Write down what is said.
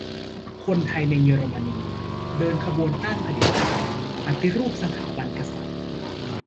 คนไทยในเยอรมนี เดินขบวนต้านเผด็จการ ปฏิรูปสถาบันกษัตริย์